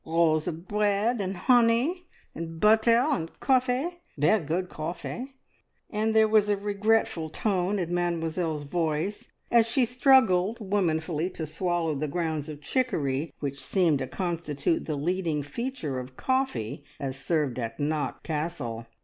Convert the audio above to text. Rolls of bread, and honey, and butter, and coffee ver' good coffee!" and there was a regretful tone in Mademoiselle's voice, as she struggled womanfully to swallow the grounds of chicory which seemed to constitute the leading feature of coffee as served at Knock Castle.